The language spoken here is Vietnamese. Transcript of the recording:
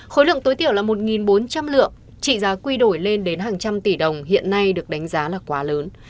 khối lượng tối thiểu là một bốn trăm linh lượng trị giá quy đổi lên đến hàng trăm tỷ đồng hiện nay được đánh giá là quá lớn